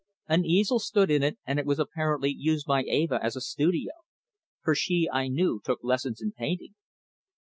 An easel stood in it and it was apparently used by Eva as a studio, for she, I knew, took lessons in painting.